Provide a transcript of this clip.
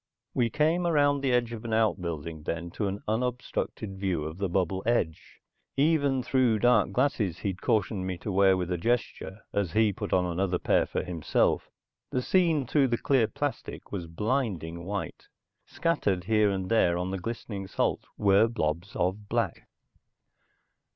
We came around the edge of an outbuilding then to an unobstructed view of the bubble edge. Even through dark glasses he'd cautioned me to wear with a gesture, as he put on another pair for himself, the scene through the clear plastic was blinding white. Scattered here and there on the glistening salt were blobs of black.